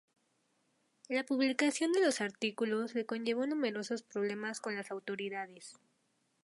La publicación de los artículos le conllevó numerosos problemas con las autoridades.